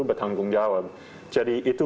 bertanggung jawab jadi itu